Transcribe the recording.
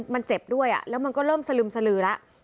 มันเจ็บด้วยแล้วมันก็เริ่มสลึมสลือแล้ว